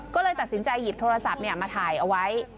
ก็เลยตัดสินใจหยิบโทรศัพท์มาถ่ายเอาไว้